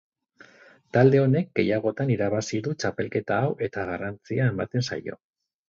Talde honek gehiagotan irabazi du txapelketa hau eta garrantzia ematen zaio.